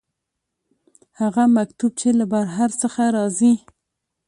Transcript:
هغه مکتوب چې له بهر څخه راځي.